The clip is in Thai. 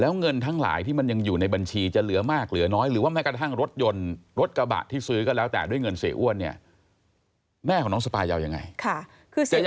แล้วเงินทั้งหลายที่มันยังอยู่ในบัญชีจะเหลือมากเหลือน้อยหรือว่าไม่กระทั่งรถยนต์รถกระบะที่ซื้อก็แล้วแต่ด้วยเงินเสียอ้วนเนี่ย